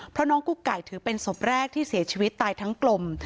เพราะน้องกุ๊กไก่ถือเป็นศพแรกที่เสียชีวิตตายทั้งกลม